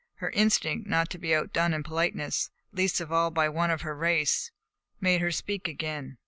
Her instinct, not to be outdone in politeness, least of all by one of her race, made her speak again.